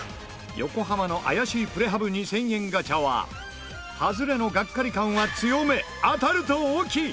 横浜の怪しいプレハブ２０００円ガチャはハズレのがっかり感は強め当たると大きい！